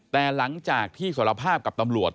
แต่หลังจากที่สารภาพกับตำรวจ